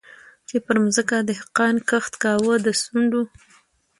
چي پر مځکه دهقان کښت کاوه د سونډو